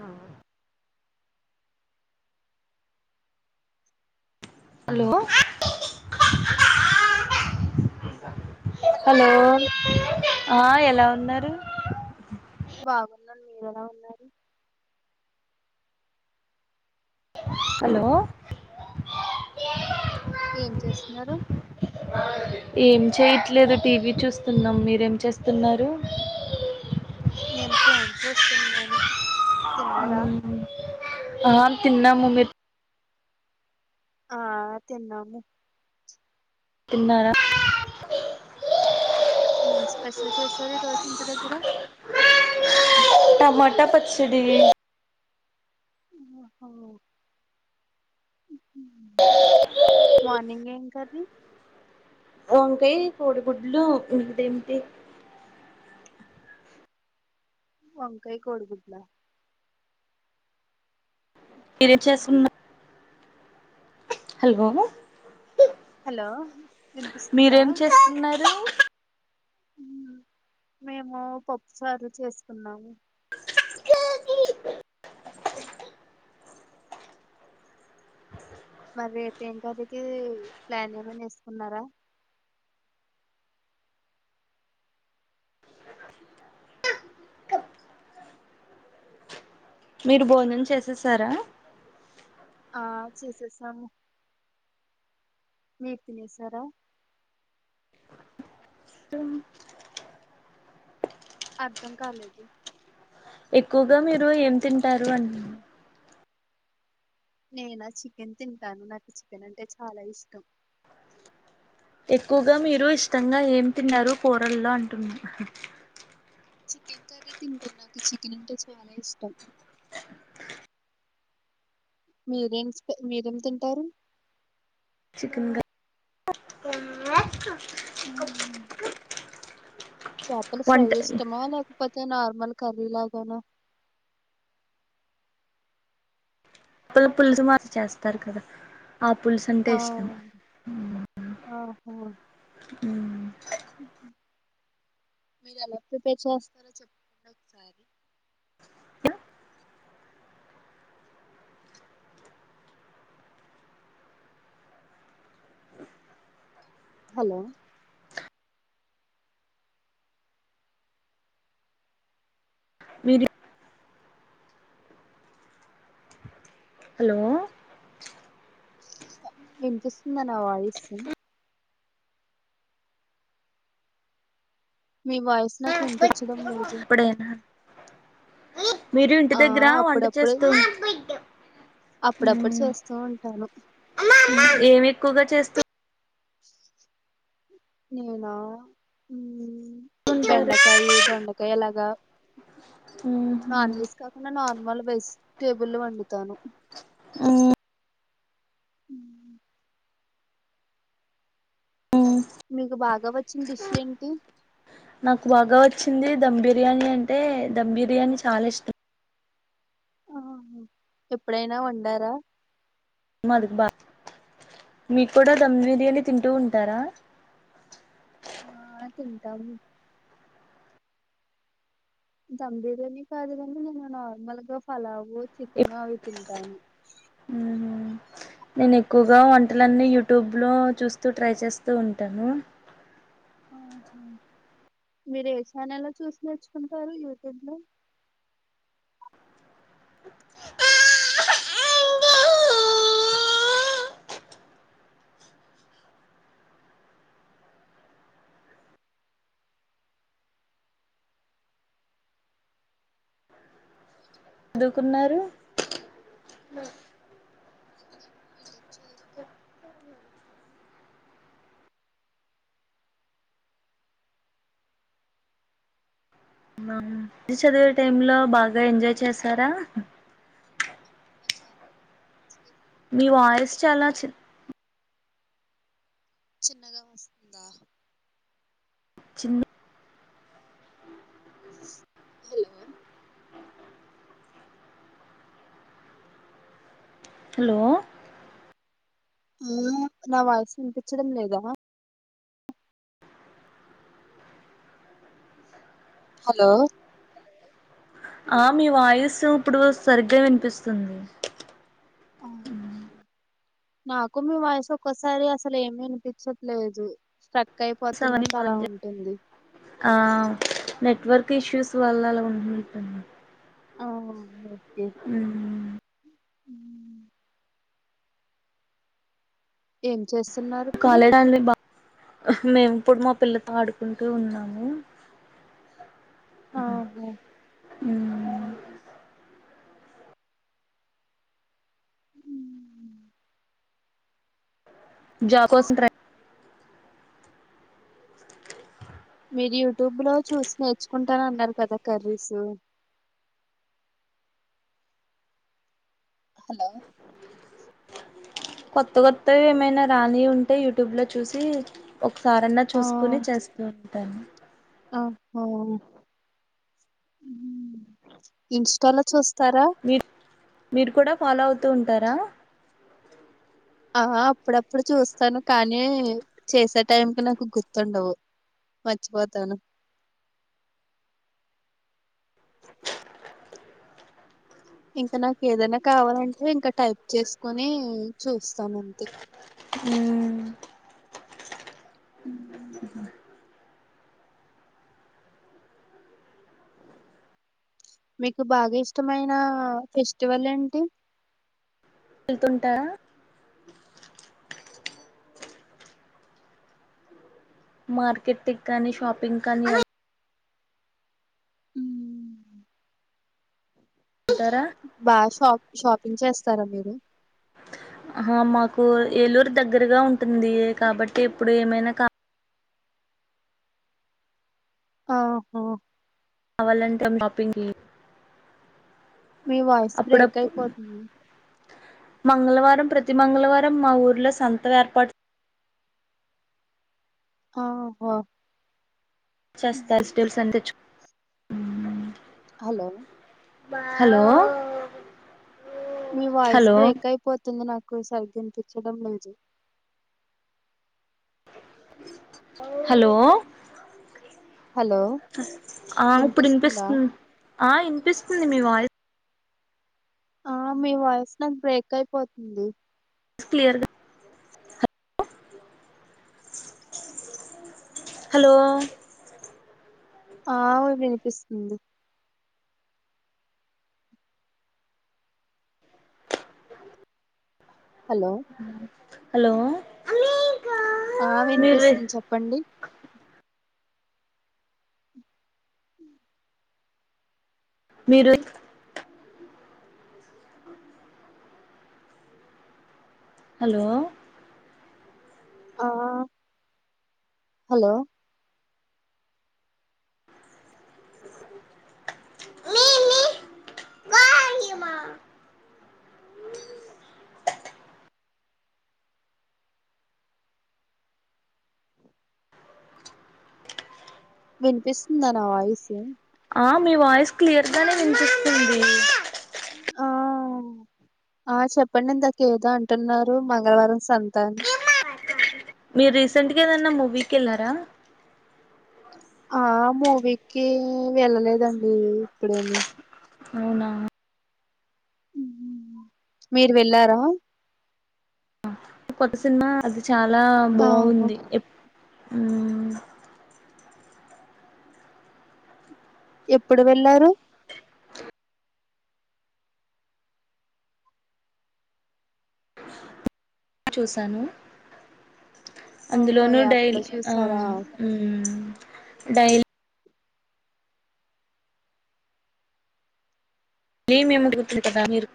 ఊ hello hello ఆ ఎలా ఉన్నారు. ఉన్నాను మీర ఎలా ఉన్నారు. హలో ఏం చేస్తున్నారు. ఏం చేయట్లేదు టీవీ చూస్తున్నాం మీరేం చేస్తున్నారు, నేను ఫోన్ చూస్తున్నాను, తిన్నారా ఊ ఆ తిన్నము పే ఆ తిన్నాము. తిన్నారా ఎం స్పెషల్ చేసారు, ఈ రోజు ఇంటి దగ్గర టమాట పచ్చడి ఉహు ఏం [unintelligible] కర్రీ వంకాయ, కోడి గుడ్లు ఇంకా గంతే వంకాయ కోడి గుడ్ల మీరే చేసుకున్న హలో హలో వినిపిస్తుందా, మీరేం చేస్తున్నారు ఊ మేము పప్పుచారు చేసుకున్నాము. మరి రేపు ఏం కర్రీ కి ప్లాన్ ఏమనా వేసుకున్నారా, మీరు భోజనం చేసేసారా, ఆ చేసేసము మీ తినేసారా, అర్ధం కాలేదు ఎక్కువగా మీరు ఏం తింటారు, అంట నేనా చికెన్ తింటాను నాకు చికెన్ అంటే చాలా ఇష్టం. ఎక్కువగా మీరు ఇష్టంగా ఏం తిన్నారు కూరల్లో అంటున్నారు. చికెన్ కర్రీ తింటాను నాకు చికెన్ అంటే చాలా ఇష్టం. మీరేం స్ప మీరేం తింటారు. చికన్ క చేపలు ఫ్రై ఇష్టమా లేకపో నార్మల్ కర్రీ లాగానా పల పులుసు మదిరి చేస్తారు కదా ఆ పులుసు అంటే ఆ ఇష్టం, ఉ ఊ మీరు ఎలా ప్రిపేర్ చేస్తారో చెప్పండి ఒకసారి హలో మీది హలో వినిపిస్తుందా నా వాయిస్ మీ వాయిస్ నాకు వినిపించడం లేదు ఎప్పుడైనా మీరు ఇంటి ఆ దగ్గర వంట అప్పుడప్పుడు చేస్తూ అప్పుడప్పుడు చేస్తూ ఉంటాను ఏమి ఎక్కువగా చేస్తూ అ నేనా ఉమ్ ఉంటారు బెండకాయి దొండకాయి అలాగా నాన్ వెజ్ కాకుండా నార్ మల్ వెజ్ టేబుల్ వండుతాను ఉమ్ హు మీకు బాగా వచ్చిన డిష్ ఏంటి నాకు బాగా వచ్చింది ధమ్ బిర్యానీ అంటే ధమ్ బిర్యానీ చాలా ఇష్టం ఎప్పుడైనా వండారా మదికు బా మీకూడా దమ్ బిర్యానీ తింటూ ఉంటారా ఆ తింటాం దమ్ బిర్యానీ కాదు కానీ నేను నార్మల్గా ఫలావ్ వు చికెన్ అవి తింటాను నేను ఎక్కువగా వంటలన్నీ యూట్యూబ్లో చూస్తూ ట్రై చేస్తూ ఉంటాను ఆహ మీరు ఏ ఛానల్ లో చూసి నేర్చుకుంటారు యూట్యూబ్ లో చదువుకున్నారు మటన్ చారు డిగ్రీ చదివే టైమ్ లో బాగా ఎంజాయ్ చేసారా అచ్చ మీ వాయిస్ చాలా చి చిన్నగా వస్తుందా చిన్న హలో హలో ఉమ్ నా వాయిస్ వినిపించడం లేదా హలో ఆ మీ వాయిస్ ఇప్పుడు సరిగ్గా వినిపిస్తుంది ఆ నాకు మీ వాయిసు ఒక్కోసారి అసలు ఏమి అనిపించట్లేదు స్ట్రక్ అవన్నీ అయిపోతున్నట్టు బా అలా ఉంటుంది ఆ నెట్వర్క్ ఇష్యూస్ వల్ల అలా ఉంటున్నట్టు ఉంది ఆ వును ఉమ్ ఉమ్ ఏం చేస్తున్నారు ఇప్పుడు హు మేము ఇప్పుడు మా పిల్లతో ఆడుకుంటూ ఉన్నాము ఆహా ఉమ్ ఉమ్ జాబ్ కోసం ట్రై మీరు యూట్యూబ్ లో చూసి నేర్చుకుంటాన్ అన్నారు కదా కర్రీస్ హలో కొత్త కొత్తవి ఏమైనా రాని ఉంటే యూట్యూబ్లో చూసి ఒకసారన్నా ఆ చూస్కుని చేస్తూ ఉంటాను ఆ హు ఇంస్టాలో చూస్ తర మీర్ కూడా ఫాలో అవుతూ ఉంటారా ఆ అప్పుడప్పుడు చూస్తాను కానీ చేసే టైంకి నాకు గుర్తుండవు. మర్చిపోతాను అ [inaudible] ఇంకా నాకేదన్న కావాలంటే ఇంకా టైప్ చేస్కొని చూస్తాన్ అంతే [inaudible] మీకు బాగా ఇష్టమైన ఫెస్టివల్ ఏంటి వెళ్తుంటా మార్కెటిక్ కానీ షాపింగ్ కానీ మ్ వెళ్తుంటారా బా షాప్ షాపింగ్ చేస్తారా మీరు అహ మాకు ఏలూర్ దగ్గరగా ఉంటుంది కాబట్టి ఎప్పుడు ఏమైనా కా ఆ హ రావలంటం షాపింగ్కి మీ వాయిస్ బ్రేక్ అప్పుడప్పుడు అయిపోతుంది మంగళవారం ప్రతి మంగళవారం మా ఊర్లో సంతం ఏర్పా ఆ చేస్తార్ [unintelligible] హలో హలో మీ వాయిస్ హలో బ్రేక్ అయిపో తుంది నాకు సరిగ్గా ఇన్పించడం లేదు హలో హలో ఆ ఇప్పుడ్ వినిపిస్తుందా ఇన్పిస్తున్ ఆ ఇన్పిస్తుంది మీ వాయిస్ ఆ మీ వాయిస్ నాక్ బ్రేక్ అయిపోతుంది. క్లియర్గా హలో ఆ విన్పిస్తుంది. హలో హలో ఆ మీరు విన్పిస్తుం చెప్పండి హ మీరు హలో ఆ హలో మీన్ని వామా విన్పిస్తుందా నా వాయిస్ ఆ మీ వాయిస్ క్లియర్గానే విన్పిస్తుంది. ఆ ఆ చెప్పండి ఇందాక ఏదో అంటున్నారు మంగళవారం సంత అని మీర్ రీసెంట్గా ఏదన్నా మూవీకెళ్లారా ఆ మూవీకి వెళ్ళలేదండి ఇప్పుడేమి అవునా ఉహ్ మీరు వెళ్ళారా కొత్త సినిమా అది చాలా ఆహా బాగుంది ఎప్ ఉమ్ ఎప్పుడు వెళ్లారు చూసాను ఆహా అందులోను యాప్ లో డైలీ అ చూసారా మ్ డైలీ మిమేడా గుర్తుటదా మీరు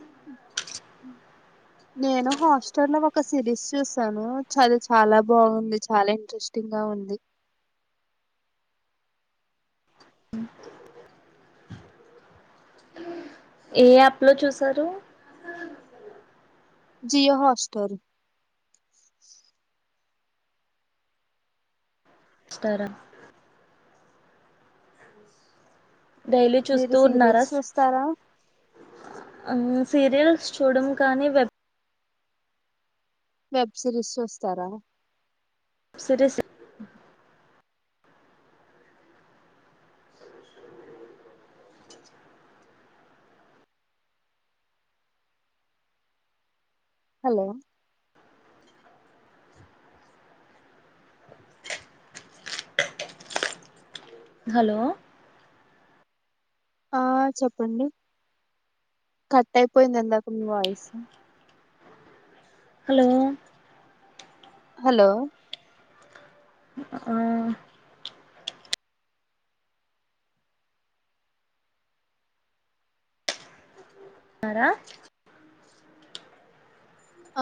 [inaudible] నేను హాస్టల్లో ఒక సిరీస్ చూసాను చాల చాలా బాగుంది చాలా ఇంట్రెస్టింగ్గా ఉం ఉంది. అహ ఏ యాప్ లో చూసారు జి హాస్టోరీ స్టారా డైలీ మీరు చూస్తూ సీరియల్స్ ఉన్నారస్ చూస్తారా అ సీరియల్స్ చూడం కానీ వెబ్ వెబ్ సిరీస్ చూస్తారా సిరిస్ హలో హలో ఆ చెప్పండి కట్ అయిపోయింది ఇందాక మీ వాయిసు హలో హలో అ ఆ తార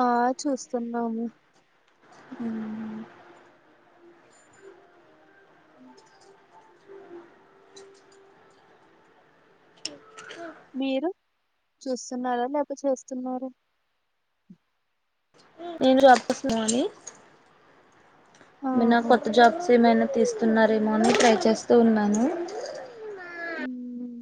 ఆ చూస్తున్నాము [inaudible] మీరు చూస్తున్నారా లేక చేస్తున్నారా నేను జాబ్ చేస్తునాన్ని ఎమనా ఆహా కొత్త జాబ్స్ ఏమైనా తీస్తున్నారేమో అని ట్రై చేస్తూ ఉన్నాను ఉమ్